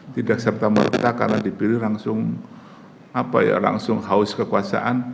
tidak serta merta karena dipilih langsung haus kekuasaan